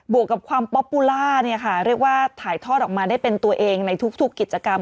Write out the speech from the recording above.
วกกับความป๊อปปูล่าเนี่ยค่ะเรียกว่าถ่ายทอดออกมาได้เป็นตัวเองในทุกกิจกรรม